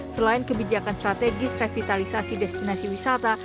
selain kebijakan strategis revitalisasi destinasi wisata